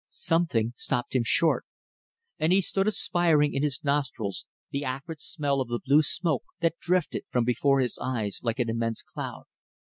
Something stopped him short, and he stood aspiring in his nostrils the acrid smell of the blue smoke that drifted from before his eyes like an immense cloud.